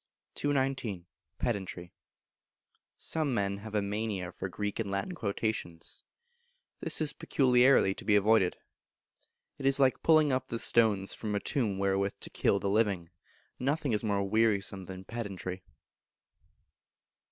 219. Pedantry. Some Men have a Mania for Greek and Latin quotations: this is peculiarly to be avoided. It is like pulling up the stones from a tomb wherewith to kill the living. Nothing is more wearisome than pedantry.